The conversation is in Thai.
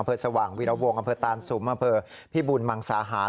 สว่างวีรวงอำเภอตานสุมอำเภอพิบุญมังสาหาร